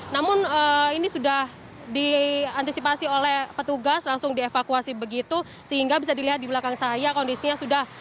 namun ini sudah diantisipasi oleh petugas langsung dievakuasi begitu sehingga bisa dilihat di belakang saya kondisinya sudah